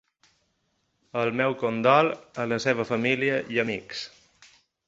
El meu condol a la seva família i amics.